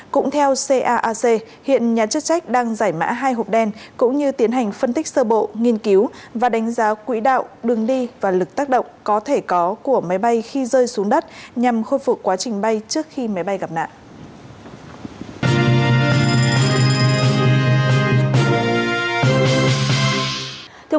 cũng theo caac hiện nhà chức trách đang giải mã hai hộp đen cũng như tiến hành phân tích sơ bộ nghiên cứu và đánh giá quỹ đạo đường đi và lực tác động có thể có của máy bay khi rơi xuống đất nhằm khôi phục quá trình bay trước khi máy bay gặp nạn